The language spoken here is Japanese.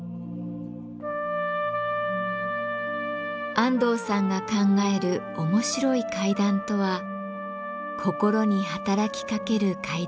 安藤さんが考える面白い階段とは「心に働きかける階段」です。